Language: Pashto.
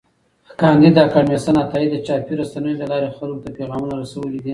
کانديد اکاډميسن عطایي د چاپي رسنیو له لارې خلکو ته پیغامونه رسولي دي.